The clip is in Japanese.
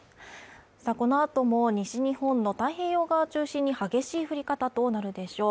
この後も西日本の太平洋側中心に激しい降り方となるでしょう。